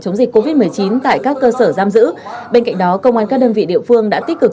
chống dịch covid một mươi chín tại các cơ sở giam giữ bên cạnh đó công an các đơn vị địa phương đã tích cực